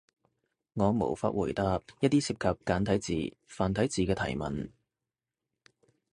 我無法回答一啲涉及簡體字、繁體字嘅提問